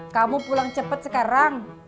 kamu pulang cepat sekarang